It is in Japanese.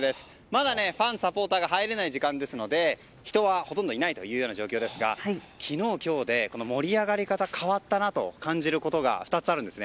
まだファン、サポーターが入れない時間ですので人は、ほとんどいない状況ですが昨日、今日で盛り上がり方が変わったなと感じることが２つあるんです。